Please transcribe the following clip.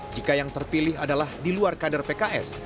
jika yang terpilih adalah di luar kader pks